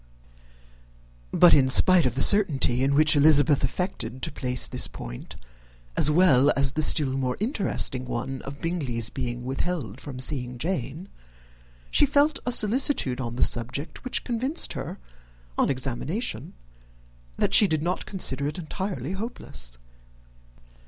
But, in spite of the certainty in which Elizabeth affected to place this point, as well as the still more interesting one of Bingley's being withheld from seeing Jane, she felt a solicitude on the subject which convinced her, on examination, that she did not consider it entirely hopeless.